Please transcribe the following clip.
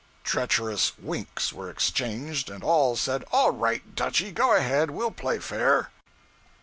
Treacherous winks were exchanged, and all said 'All right, Dutchy go ahead, we'll play fair.'